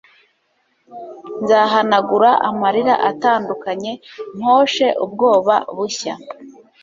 nzahanagura amarira atandukanye, mposhe ubwoba bushya